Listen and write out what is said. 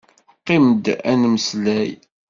Qim-d ad nemmeslay.